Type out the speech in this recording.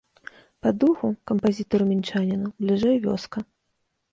Па духу, кампазітару-мінчаніну бліжэй вёска.